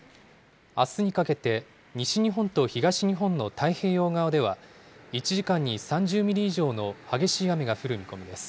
あすにかけて西日本と東日本の太平洋側では、１時間に３０ミリ以上の激しい雨が降る見込みです。